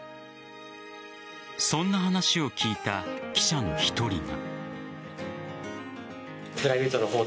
そんな話を聞いた記者の１人が。